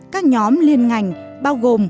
các nhóm liên ngành bao gồm